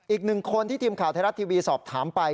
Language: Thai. อีกหนึ่งคนที่ทีมข่าวไทยรัฐทีวีสอบถามไป